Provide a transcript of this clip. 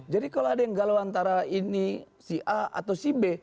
jadi kalau ada yang galau antara ini si a atau si b